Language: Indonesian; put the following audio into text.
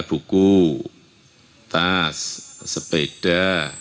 buku tas sepeda